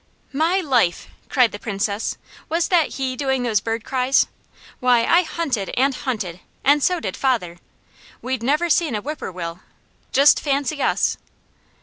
"My life!" cried the Princess. "Was that he doing those bird cries? Why, I hunted, and hunted, and so did father. We'd never seen a whip poor will. Just fancy us!"